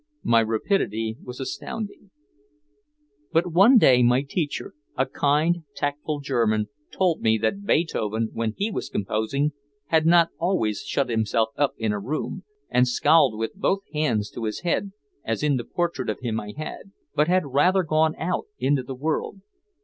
My rapidity was astounding! But one day my teacher, a kind tactful German, told me that Beethoven, when he was composing, had not always shut himself up in a room and scowled with both hands to his head, as in the portrait of him I had, but had rather gone out into the world.